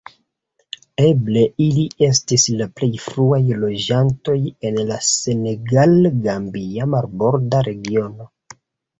Eble ili estis la plej fruaj loĝantoj en la senegal-gambia marborda regiono.